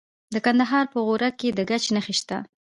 د کندهار په غورک کې د ګچ نښې شته.